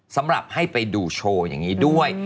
สำหรับให้ไปดูโชว์อย่างนี้ด้วย